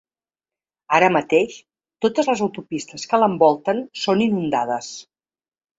Ara mateix totes les autopistes que l’envolten són inundades.